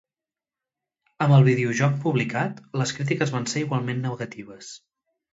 Amb el videojoc publicat, les crítiques van ser igualment negatives.